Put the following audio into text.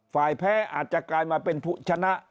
แพ้อาจจะกลายมาเป็นผู้ชนะ